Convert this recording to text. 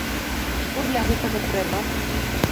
Што для гэтага трэба?